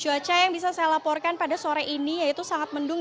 cuaca yang bisa saya laporkan pada sore ini yaitu sangat mendung